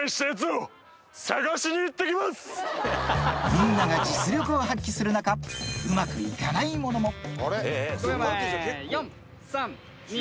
みんなが実力を発揮する中うまく行かない者も５秒前４・３・２。